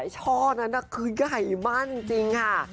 ช่อนั้นคือใหญ่มากจริงค่ะ